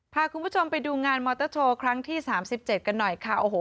พาคุณผู้ชมไปดูงานมอเตอร์โชว์ครั้งที่๓๗กันหน่อยค่ะโอ้โห